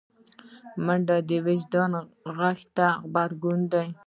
منډه د وجدان غږ ته غبرګون دی